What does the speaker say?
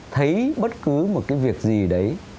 thấy bất cứ một cái việc gì đấy